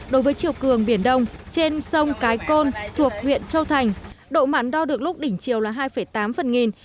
đối với chiều cường biển đông trên sông cái côn thuộc huyện châu thành độ mặn đo được lúc đỉnh chiều là hai tám phần nghìn